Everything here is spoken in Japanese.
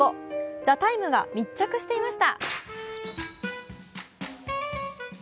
「ＴＨＥＴＩＭＥ，」が密着していました。